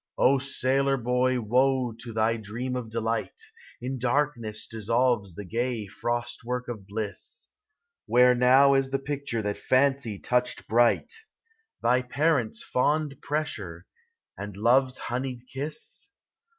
O sailor boy, woe to thy dream of delight ! In darkness dissolves the gay frost work of bliss. Where now is the picture that Fancy touched bright, — Thy parents' fond pressure, and love's honeyed kiss?